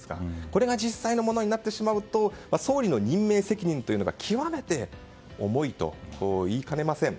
これが実際のものになると総理の任命責任というのが極めて重いといいかねません。